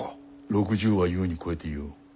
６０は優に超えていよう。